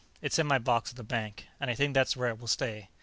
It's in my box at the bank, and I think that's where it will stay.